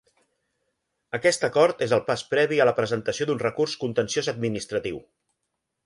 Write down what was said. Aquest acord és el pas previ a la presentació d'un recurs contenciós-administratiu.